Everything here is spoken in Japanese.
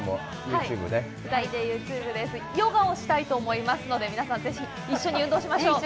ヨガをしたいと思いますので、皆さん、ぜひ一緒に運動しましょう。